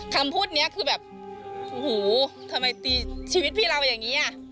คำพูดนี้คือแบบโอ้โหทำไมตีชีวิตพี่เราอย่างนี้อ่ะ